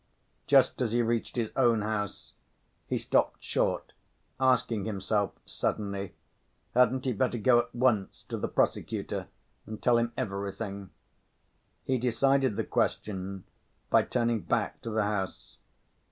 Just as he reached his own house he stopped short, asking himself suddenly hadn't he better go at once to the prosecutor and tell him everything. He decided the question by turning back to the house.